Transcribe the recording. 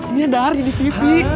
ini ada ari di sini